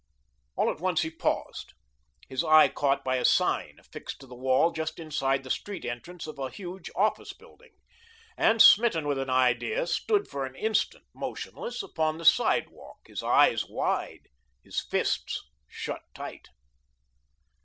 All at once he paused, his eye caught by a sign affixed to the wall just inside the street entrance of a huge office building, and smitten with an idea, stood for an instant motionless, upon the sidewalk, his eyes wide, his fists shut tight.